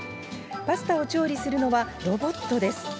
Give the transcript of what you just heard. パスタを調理するのはロボットです。